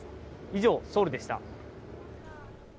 以上、ソウルでした。